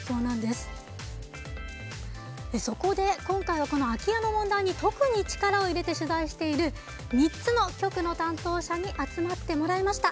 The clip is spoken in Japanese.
そこで今回はこの空き家の問題に特に力を入れて取材している３つの局の担当者に集まってもらいました。